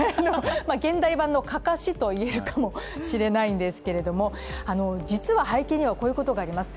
現代版のかかしといえるかもしれないんですけども実は背景にはこういうことがあります。